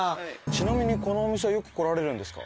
ちなみにこのお店はよく来られるんですか？